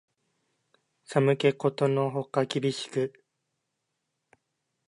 寒気ことのほか厳しく